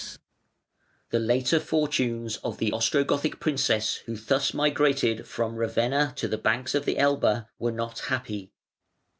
] The later fortunes of the Ostrogothic princess who thus migrated from Ravenna to the banks of the Elbe were not happy.